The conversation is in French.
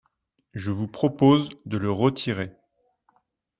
Je vous propose de le retirer.